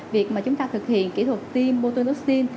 việc mà chúng ta thực hiện kỹ thuật tiêm botulinum toxin